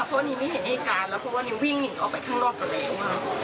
เพราะว่านิวไม่เห็นไอ้การแล้วเพราะว่านิววิ่งหนีออกไปข้างนอกกันแล้ว